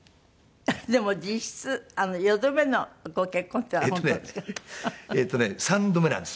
でも実質４度目のご結婚というのは本当なんですか？